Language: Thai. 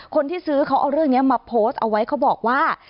คนที่ซื้อเขาเอาเรื่องนี้มาโพสต์เอาไว้เขาบอกว่า